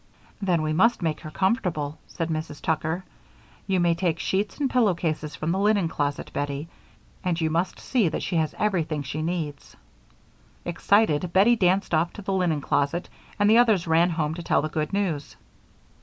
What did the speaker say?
"Then we must make her comfortable," said Mrs. Tucker. "You may take sheets and pillow cases from the linen closet, Bettie, and you must see that she has everything she needs." Excited Bettie danced off to the linen closet and the others ran home to tell the good news.